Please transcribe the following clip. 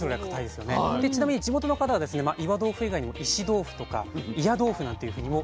ちなみに地元の方は岩豆腐以外にも石豆腐とか祖谷豆腐なんていうふうにも。